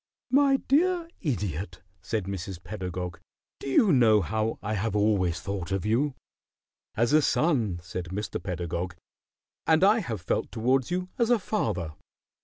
"My dear Idiot," said Mrs. Pedagog, "do you know how I have always thought of you?" "As a son," said Mr. Pedagog. "And I have felt towards you as a father."